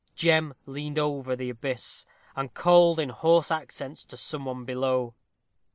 Jem leaned over the abyss, and called in hoarse accents to some one below.